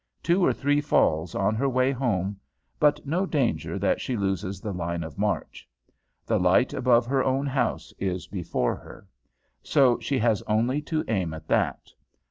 Two or three falls on her way home, but no danger that she loses the line of march. The light above her own house is before her. So she has only to aim at that.